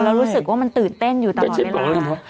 แล้วรู้สึกว่ามันตื่นเต้นอยู่ตลอดเวลาแต่ฉันบอกแล้วครับว่า